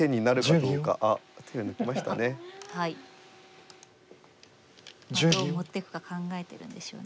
どう持っていくか考えてるんでしょうね。